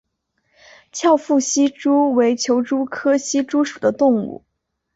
翘腹希蛛为球蛛科希蛛属的动物。